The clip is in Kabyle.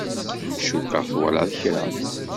Cukkeɣ twalaḍ kra.